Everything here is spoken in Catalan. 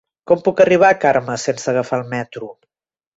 Com puc arribar a Carme sense agafar el metro?